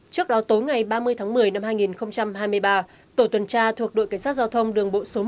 trước đó tối ngày ba mươi tháng một mươi năm hai nghìn hai mươi ba tổ tuần tra thuộc đội cảnh sát giao thông đường bộ số một